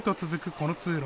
この通路。